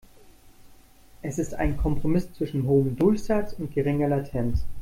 Es ist ein Kompromiss zwischen hohem Durchsatz und geringer Latenz.